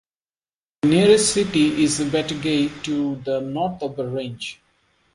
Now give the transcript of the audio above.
The nearest city is Batagay to the north of the range.